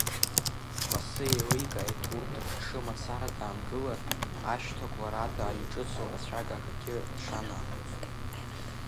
Лассы еиликааит урҭ рҿы мацара даангылар, ашьҭақәларада иҿыцу рацәак акагьы шаанамгоз.